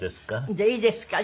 じゃあいいですか？